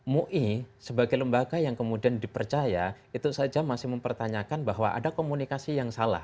mui sebagai lembaga yang kemudian dipercaya itu saja masih mempertanyakan bahwa ada komunikasi yang salah